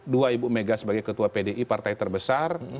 dua ibu mega sebagai ketua pdi partai terbesar